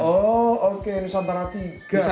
oh oke nusantara tiga